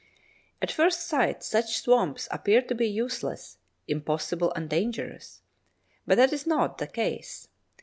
_ At first sight such swamps appear to be useless, impossible, and dangerous. But that is not the case.